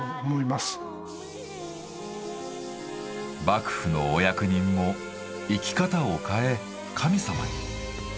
幕府のお役人も生き方を変え神様に。